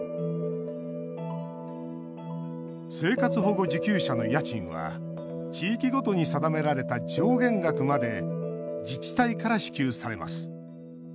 生活保護受給者の家賃は地域ごとに定められた上限額まで自治体から支給されます。